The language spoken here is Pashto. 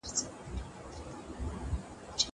هغه څوک چي مينه څرګندوي مهربان وي!